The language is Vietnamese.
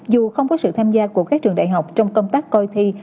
dù không có sự tham gia của các trường đại học trong công tác coi thi